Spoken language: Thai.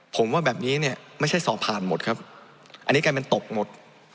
ผมว่าแบบนี้เนี่ยไม่ใช่สอบผ่านหมดครับอันนี้กลายเป็นตกหมด